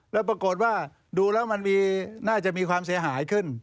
แล้วปรากฏว่าดูแล้วมันน่าจะมีความเสียหายขึ้น